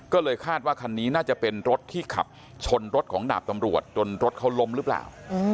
ก็เลยคาดว่าคันนี้น่าจะเป็นรถที่ขับชนรถของดาบตำรวจจนรถเขาล้มหรือเปล่า